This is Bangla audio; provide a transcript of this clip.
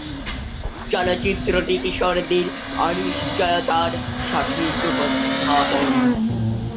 চলচ্চিত্রটি কিশোরদের অনিশ্চয়তার সঠিক উপস্থাপন।